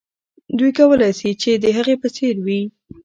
دوی کولای سي چې د هغې په څېر وي.